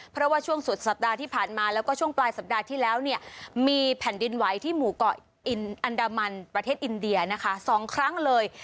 เพราะว่าช่วงสุดสัปดาห์ที่ผ่านมาแล้วก็ช่วงปลายสัปดาห์ที่แล้วเนี่ยมีแผ่นดินไหวที่หมู่เกาะอินอันดามันประเทศอินเดียนะคะ๒ครั้งเลย